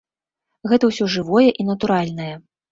Гэта ўсё жывое і натуральнае.